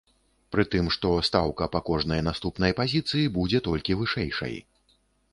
Пры тым, што стаўка па кожнай наступнай пазіцыі будзе толькі вышэйшай.